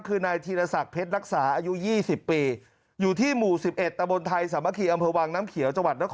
คือในธีรศักดิ์เพชรนักษาอายุ๒๐ปีอยู่ที่หมู่๑๑ตะบนไทยสมัครกีอำเภาวังน้ำเขียว